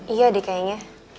iya deh kayaknya